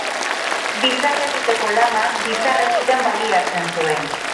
Bizar egiteko lama, bizar egiten baliatzen zuen.